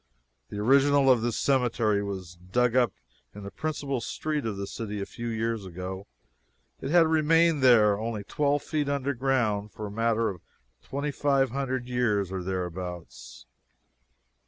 The original of this cemetery was dug up in the principal street of the city a few years ago. It had remained there, only twelve feet underground, for a matter of twenty five hundred years or thereabouts.